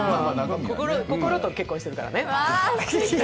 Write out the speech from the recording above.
心と結婚しているからね。